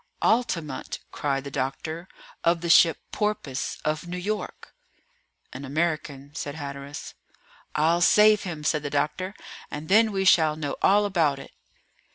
"Altamont!" cried the doctor, of the ship Porpoise, of New York." "An American," said Hatteras. "I'll save him," said the doctor, "and then we shall know all about it."